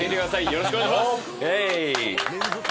よろしくお願いします。